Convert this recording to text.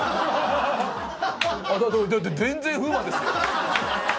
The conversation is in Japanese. だって全然風磨ですよ。